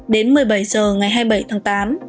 đến một mươi bảy h ngày hai mươi bảy tháng tám